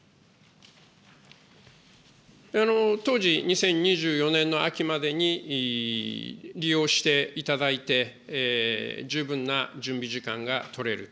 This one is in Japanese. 当時、２０２４年の秋までに利用していただいて、十分な準備時間が取れる。